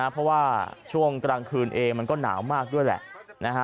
เพราะว่าช่วงกลางคืนเองมันก็หนาวมากด้วยแหละ